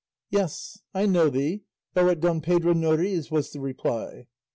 "Yes, I know thee, thou art Don Pedro Noriz," was the reply.